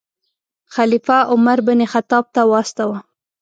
خلیفه عمر بن خطاب ته واستاوه.